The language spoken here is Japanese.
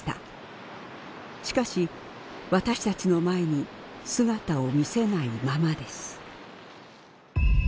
しかし私たちの前に姿を見せないままです。